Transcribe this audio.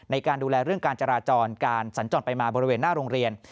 ในการดูแลเรื่องการจราจรการสัญจรไปมาบริเวณหน้าโรงเรียน